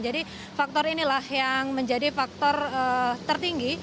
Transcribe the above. jadi faktor inilah yang menjadi faktor tertinggi